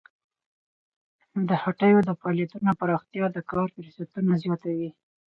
د هټیو د فعالیتونو پراختیا د کار فرصتونه زیاتوي.